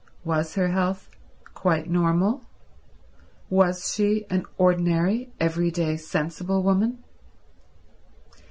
Was her health quite normal? Was she an ordinary, everyday, sensible woman?